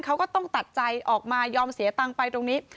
เขาก็ต้องตัดใจออกมายอมเสียตังค์ไปตรงนี้